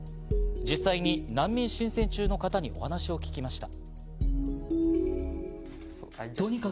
実際に難民申請中の方にお話を聞きました。